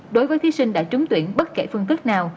đối với thí sinh đã trúng tuyển bất kể phương thức nào